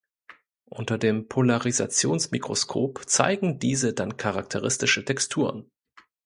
Unter dem Polarisationsmikroskop zeigen diese dann charakteristische Texturen.